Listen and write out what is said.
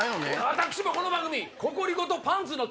私もこの番組。